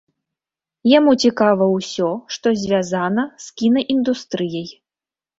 Яму цікава ўсё, што звязана з кінаіндустрыяй.